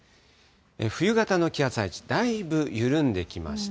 冬型の気圧配置、だいぶ緩んできました。